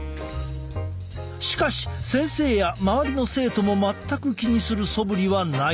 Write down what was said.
しかし先生や周りの生徒も全く気にするそぶりはない。